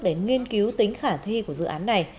để nghiên cứu tính khả thi của dự án này